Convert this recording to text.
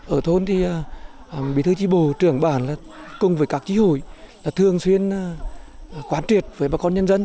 ở thôn thì bí thư chí bồ trưởng bản là cùng với các chí hội là thường xuyên quán triệt với bà con nhân dân